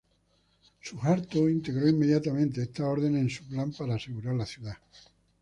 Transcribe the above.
Suharto integró inmediatamente estas órdenes en su plan para asegurar la ciudad.